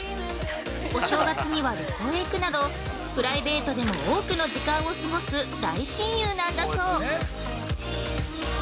お正月には旅行へ行くなどプライベートでも多くの時間を過ごす大親友なんだそう。